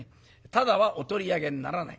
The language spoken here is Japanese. タダはお取り上げにならない。